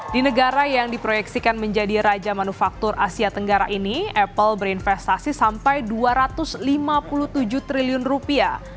di negara yang diproyeksikan menjadi raja manufaktur asia tenggara ini apple berinvestasi sampai dua ratus lima puluh tujuh triliun rupiah